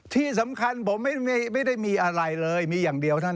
ที่สำคัญผมไม่ได้มีอะไรเลยมีอย่างเดียวท่าน